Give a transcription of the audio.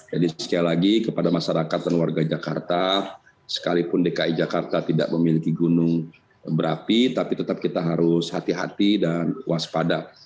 jadi sekali lagi kepada masyarakat dan warga jakarta sekalipun dki jakarta tidak memiliki gunung berapi tapi tetap kita harus hati hati dan waspada